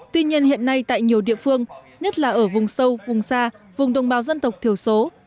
tuy nhiên hiện nay tại nhiều địa phương nhất là ở vùng sâu vùng xa vùng đồng bào dân tộc thiểu số